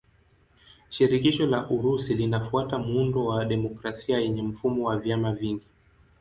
Shirikisho la Urusi linafuata muundo wa demokrasia yenye mfumo wa vyama vingi.